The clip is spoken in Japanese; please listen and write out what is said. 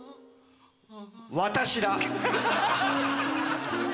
私だ。